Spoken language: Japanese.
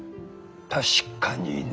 確かにね。